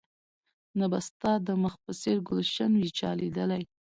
نه به ستا د مخ په څېر ګلش وي چا ليدلى